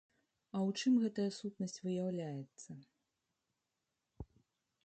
А ў чым гэтая сутнасць выяўляецца?